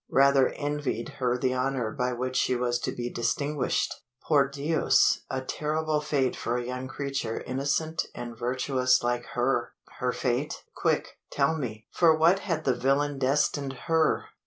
rather envied her the honour by which she was to be distinguished! Por Dios! a terrible fate for a young creature innocent and virtuous like her!" "Her fate? Quick tell me! for what had the villain destined her?"